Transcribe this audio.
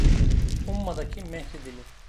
“Umma’daki Mehri Dili”